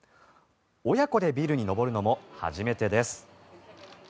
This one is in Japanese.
親子でビルに登るのも初めてです。